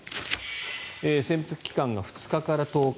潜伏期間が２日から１０日